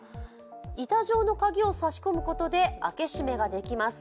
板状の鍵を差し込むことで開け閉めができます。